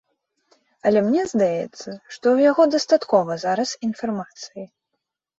Але мне здаецца, што ў яго дастаткова зараз інфармацыі.